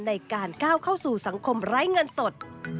ในการก้าวเข้าสู่สังคมไร้เงินสด